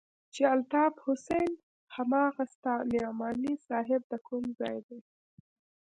چې الطاف حسين هماغه ستا نعماني صاحب د کوم ځاى دى.